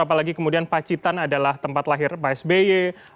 apalagi kemudian pacitan adalah tempat lahir pak sby